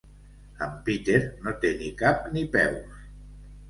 En Peter no té ni cap ni peus.